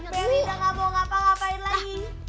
tapi udah gak mau ngapa ngapain lagi